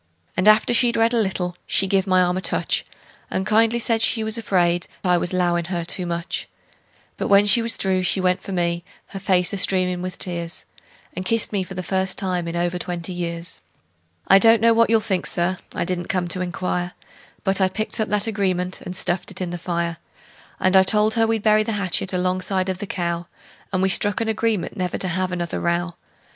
And after she'd read a little she give my arm a touch, And kindly said she was afraid I was 'lowin' her too much; But when she was through she went for me, her face a streamin' with tears, And kissed me for the first time in over twenty years! "AND KISSED ME FOR THE FIRST TIME IN OVER TWENTY YEARS!" I don't know what you'll think, Sir I didn't come to inquire But I picked up that agreement and stuffed it in the fire; And I told her we'd bury the hatchet alongside of the cow; And we struck an agreement never to have another row.